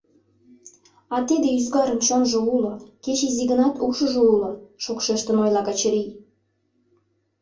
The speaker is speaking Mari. А тиде «ӱзгарын» чонжо уло, кеч изи гынат, ушыжо уло, — шокшештын ойла Качырий.